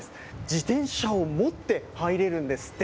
自転車を持って入れるんですって。